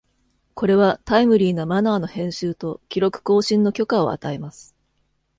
これはタイムリーなマナーの編集と記録更新の許可を与えます。